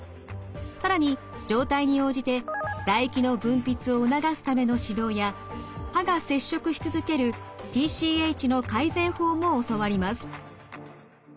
更に状態に応じて唾液の分泌を促すための指導や歯が接触し続けるＴＣＨの改善法も教わります。